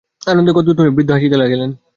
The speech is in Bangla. আনন্দে গদগদ হইয়া বৃদ্ধ হাসিতে লাগিলেন।